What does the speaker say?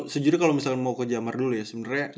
sejujurnya kalau misalnya mau ke jamar dulu ya sebenarnya